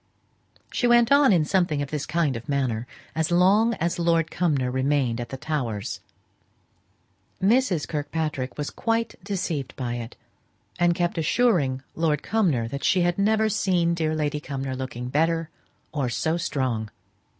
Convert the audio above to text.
She went on in something of this kind of manner as long as Lord Cumnor remained at the Towers. Mrs. Kirkpatrick was quite deceived by it, and kept assuring Lord Cumnor that she had never seen dear Lady Cumnor looking better, or so strong.